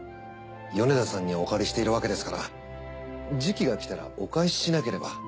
米田さんにお借りしているわけですから時期が来たらお返ししなければ。